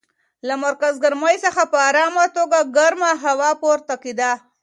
له مرکز ګرمۍ څخه په ارامه توګه ګرمه هوا پورته کېده.